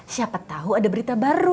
siapa tahu ada berita baru